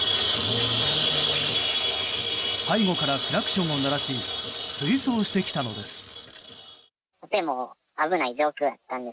背後からクラクションを鳴らし追走してきたのです。